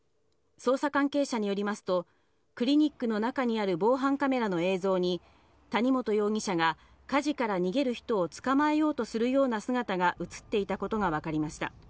捜査関係者によりますと、クリニックの中にある防犯カメラの映像に谷本容疑者が火事から逃げる人を捕まえようとするような姿が映っていたことがわかりました。